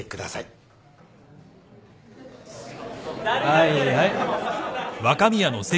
はいはい。